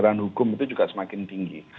penegakan hukum itu juga semakin tinggi